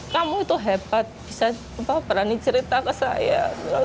kamu itu hebat bisa berani cerita ke saya